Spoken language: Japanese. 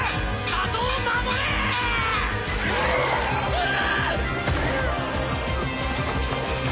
うわ！